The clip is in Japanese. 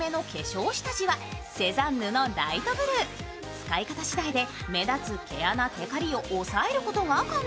使い方次第で目立つ毛穴、テカリを抑えることが可能。